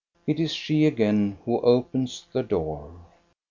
It is she again who opens the door.